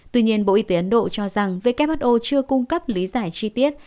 tuy nhiên bộ y tế ấn độ cho rằng who chưa cung cấp lý giải chi tiết